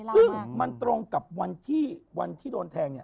ซึ่งมันตรงกับวันที่โดนแทง